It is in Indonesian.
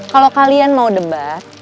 kalau kalian mau debat